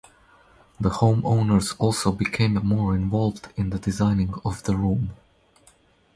The homeowners also became more involved in the designing of the room.